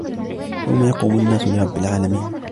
يَوْمَ يَقُومُ النَّاسُ لِرَبِّ الْعَالَمِينَ